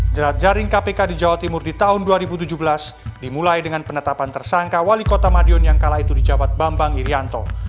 jerat jaring kpk di jawa timur di tahun dua ribu tujuh belas dimulai dengan penetapan tersangka wali kota madiun yang kala itu di jabat bambang irianto